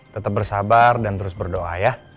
tetap bersabar dan terus berdoa ya